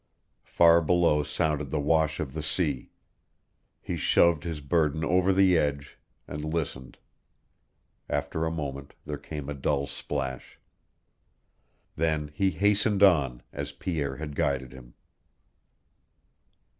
Far below sounded the wash of the sea. He shoved his burden over the edge, and listened. After a moment there came a dull splash. Then he hastened on, as Pierre had guided him.